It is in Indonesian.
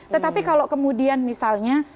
tetapi kalau kemudian misalnya